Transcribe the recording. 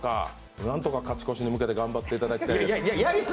なんとか勝ち越しに向けて頑張っていただきたいです。